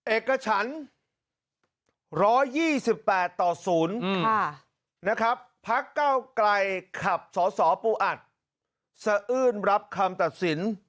เอกฉันร้อยี่สิบแปดต่อศูนย์ค่ะนะครับพรรคเก้าไกรขับสอสอปูอัตสะอื้นรับคำตัดสิน